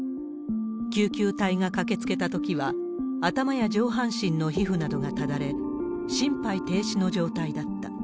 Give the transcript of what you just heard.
救急隊が駆けつけたときは、頭や上半身の皮膚などがただれ、心肺停止の状態だった。